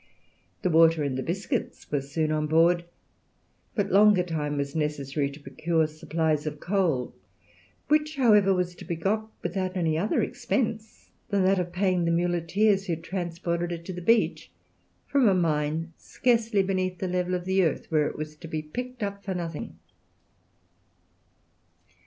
The water and the biscuits were soon on board; but longer time was necessary to procure supplies of coal, which, however, was to be got without any other expense save that of paying the muleteers, who transported it to the beach from a mine scarcely beneath the level of the earth, where it was to be picked up for nothing.